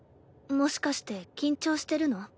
もしかして緊張してるの？